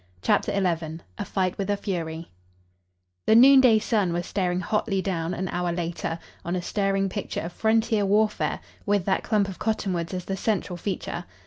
CHAPTER XI A FIGHT WITH A FURY The noonday sun was staring hotly down, an hour later, on a stirring picture of frontier warfare, with that clump of cottonwoods as the central feature.